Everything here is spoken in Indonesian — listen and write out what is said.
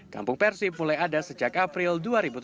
kampung persib mulai ada sejak april dua ribu tujuh belas